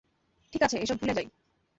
ঠিক আছে, এসব ভুলে যাই।